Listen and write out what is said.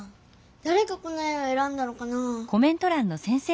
だれがこの絵をえらんだのかな？